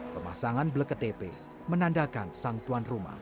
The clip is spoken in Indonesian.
pemasangan bleket tepe menandakan sang tuan rumah